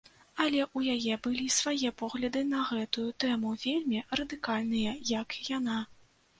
Але ў яе былі свае погляды на гэтую тэму, вельмі радыкальныя, як і яна.